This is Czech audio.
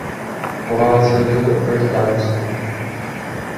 Po válce žili opět v Dánsku.